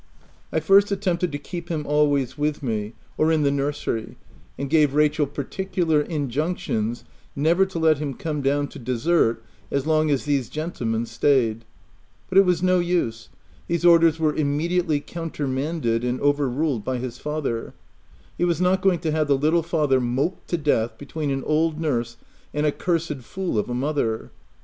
I first attempted to keep him always with me or in the OF WILDFELL HALL. 27 nursery, and gave Rachel particular injunctions never to let him come down to dessert as long as these " gentlemen * stayed ; but it was no use ; these orders were immediately countermanded and over ruled by his father : he was not going to have the little fellow moped to death between an old nurse and a cursed fool of a mother.